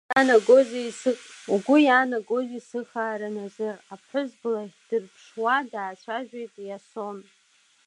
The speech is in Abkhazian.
Угәы иаанагозеи сыхаара Назыр, аԥҳәызба лахь дырԥшуа даацәажәеит Иасон.